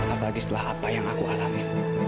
abadi setelah apa yang aku alami